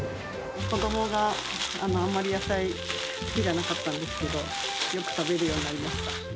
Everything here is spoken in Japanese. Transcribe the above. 子どもがあまり野菜好きじゃなかったんですけど、よく食べるようになりました。